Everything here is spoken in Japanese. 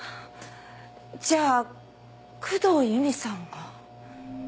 じゃあ工藤由美さんが。